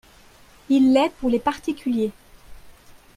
Il l’est pour les particuliers